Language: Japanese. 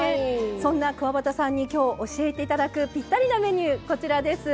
そんなくわばたさんに今日教えて頂くぴったりなメニューこちらです。